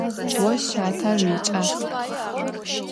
Vo şater vuiç'as.